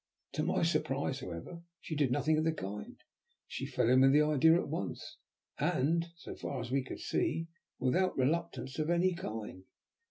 To my surprise, however, she did nothing of the kind. She fell in with the idea at once, and, so far as we could see, without reluctance of any kind.